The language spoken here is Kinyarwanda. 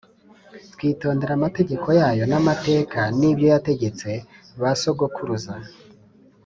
twitondera amategeko yayo n’amateka n’ibyo yategetse ba sogokuruza